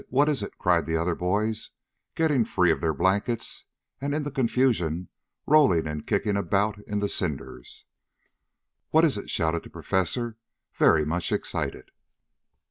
What is it?" cried the other boys, getting free of their blankets and in the confusion rolling and kicking about in the cinders. "What is it?" shouted the Professor, very much excited.